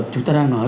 chúng ta đang nói